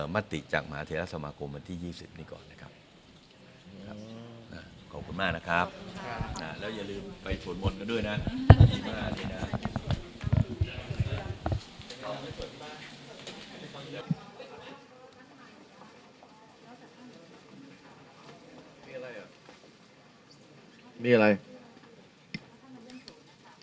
มาติดจากมหาเทศสมาคมวันที่๒๐นี่ก่อนนะครับ